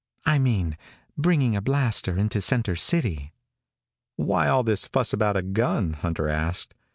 "I mean, bringing a blaster into center city." "Why all this fuss about a gun?" Hunter asked.